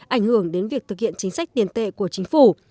ảnh hưởng đến việc thực hiện chính sách tiền tệ của chính phủ